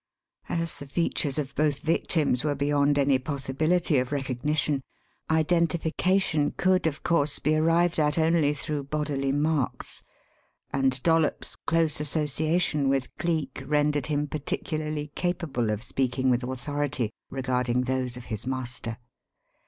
As the features of both victims were beyond any possibility of recognition, identification could, of course, be arrived at only through bodily marks; and Dollops's close association with Cleek rendered him particularly capable of speaking with authority regarding those of his master.